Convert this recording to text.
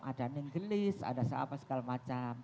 ada nenggelis ada seapa segala macam